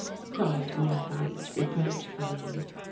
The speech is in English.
cried Marguerite reproachfully.